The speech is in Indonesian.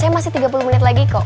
saya masih tiga puluh menit lagi kok